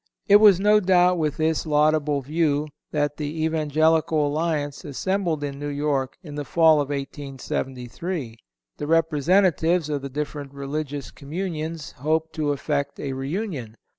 It was, no doubt, with this laudable view that the Evangelical Alliance assembled in New York in the fall of 1873. The representatives of the different religious communions hoped to effect a reunion.